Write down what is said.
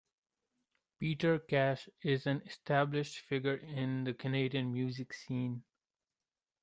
Peter Cash is an established figure in the Canadian music scene.